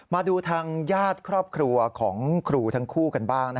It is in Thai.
มาดูทางญาติครอบครัวของครูทั้งคู่กันบ้าง